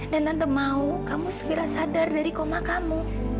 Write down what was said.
dan tante mau kamu segera sadar dari koma kamu